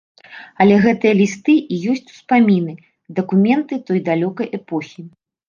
Але гэтыя лісты і ёсць ўспаміны, дакументы той далёкай эпохі.